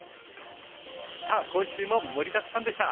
さあ今週も盛りだくさんでした！